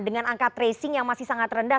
dengan angka tracing yang masih sangat rendah